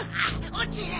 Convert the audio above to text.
落ちる。